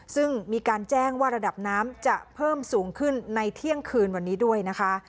ซึ่งมีการแจ้งว่าระดับน้ำจะเพิ่มสูงขึ้นในเที่ยงคืนวันนี้ด้วยนะคะ